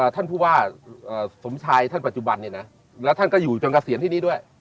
ท่านพูดว่าสมชายท่านปัจจุบันนี่นะและท่านก็อยู่จังหวัดเศียรที่นี่ด้วย